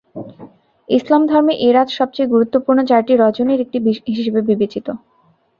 ইসলাম ধর্মে এ রাত সবচেয়ে গুরুত্বপূর্ণ চারটি রজনীর একটি হিসেবে বিবেচিত।